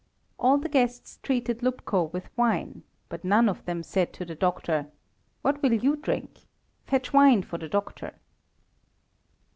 All the guests treated Lupko with wine; but none of them said to the doctor, "What will you drink? Fetch wine for the doctor."